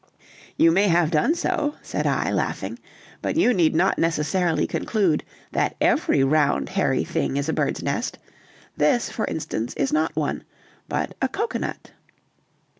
"You may have done so," said I, laughing, "but you need not necessarily conclude that every round hairy thing is a bird's nest; this, for instance, is not one, but a cocoanut."